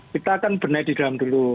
kita akan benah di dalam dulu